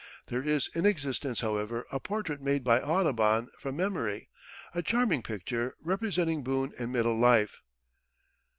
There is in existence, however, a portrait made by Audubon, from memory a charming picture, representing Boone in middle life.